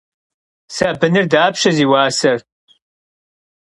Sabınır dapşe zi vuaser?